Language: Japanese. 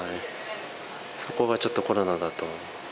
そこがちょっとコロナだと。